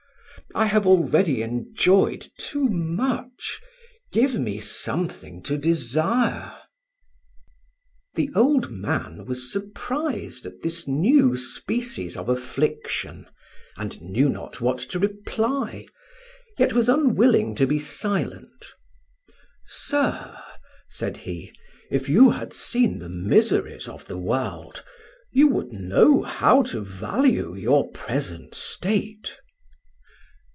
I have already enjoyed too much: give me something to desire." The old man was surprised at this new species of affliction, and knew not what to reply, yet was unwilling to be silent. "Sir," said he, "if you had seen the miseries of the world, you would know how to value your present state."